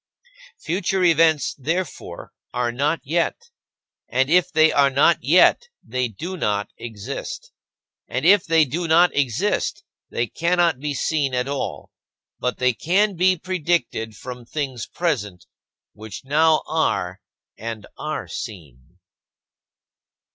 Future events, therefore, are not yet. And if they are not yet, they do not exist. And if they do not exist, they cannot be seen at all, but they can be predicted from things present, which now are and are seen.